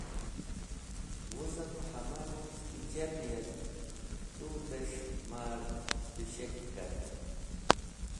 Wuzem hamahruz ki cerni et tu’tes̃h ma’r tusheki kart.